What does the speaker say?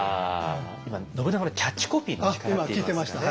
今信長のキャッチコピーの力といいますかね。